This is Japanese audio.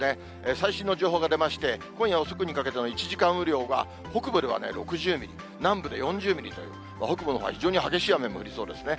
最新の情報が出まして、今夜遅くにかけての１時間雨量が、北部では６０ミリ、南部で４０ミリという、北部のほうが非常に激しい雨が降りそうですね。